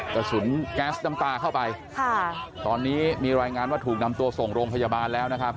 กระสุนแก๊สน้ำตาเข้าไปค่ะตอนนี้มีรายงานว่าถูกนำตัวส่งโรงพยาบาลแล้วนะครับ